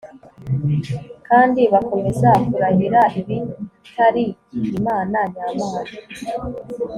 kandi bakomeza kurahira ibitari imana nyamana